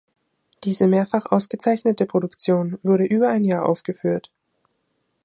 Diese mehrfach ausgezeichnete Produktion wurde über ein Jahr aufgeführt.